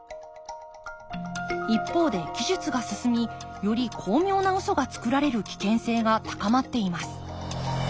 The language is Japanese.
一方で技術が進みより巧妙なウソがつくられる危険性が高まっています。